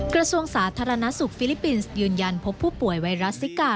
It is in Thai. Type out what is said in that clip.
กระทรวงสาธารณสุขฟิลิปปินส์ยืนยันพบผู้ป่วยไวรัสซิกา